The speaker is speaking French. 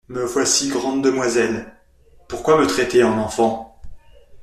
Me voici grande demoiselle : Pourquoi me traiter en enfant ?